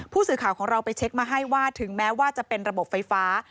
ผู้สื่อข่าวของเราไปเช็คมาให้ว่าถึงแม้ว่าจะเป็นระบบไฟฟ้า